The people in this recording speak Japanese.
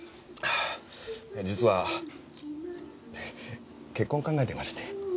実は結婚を考えてまして。